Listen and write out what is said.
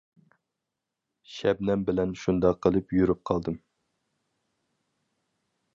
شەبنەم بىلەن شۇنداق قىلىپ يۈرۈپ قالدىم.